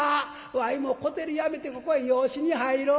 わいもう小照やめてここへ養子に入ろう」。